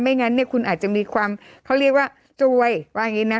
ไม่งั้นคุณอาจจะมีความเขาเรียกว่าจวย